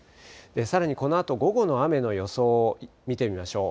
さらにこのあと午後の雨の予想を見てみましょう。